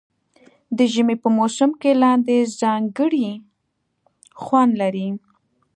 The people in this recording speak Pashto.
د ژمي په موسم کې لاندی ځانګړی خوند لري.